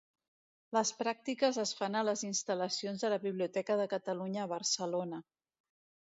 Les pràctiques es fan a les instal·lacions de la Biblioteca de Catalunya a Barcelona.